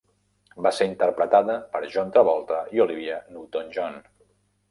Va ser interpretada per John Travolta i Olivia Newton-John.